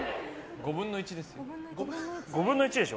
５分の１でしょ。